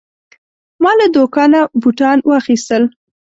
ما له دوکانه بوتان واخیستل.